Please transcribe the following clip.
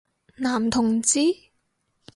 男同志？